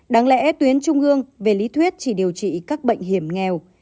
đáng lẽ tuyến trung ương về lý thuyết chỉ điều trị các bệnh hiểm nghèo